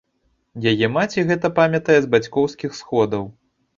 Яе маці гэта памятае з бацькоўскіх сходаў.